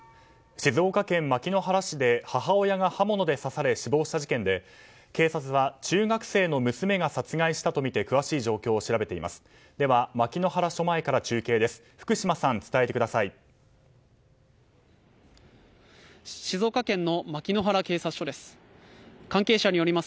静岡県牧之原市で母親が刃物で刺され死亡した事件で警察は中学生の娘が殺害したとみて詳しい状況を調べています。